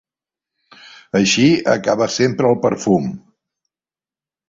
Així acaba sempre el perfum.